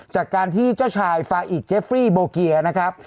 จากการที่เจ้าชายฟาอิเจฟฟี่โบเกียนะครับ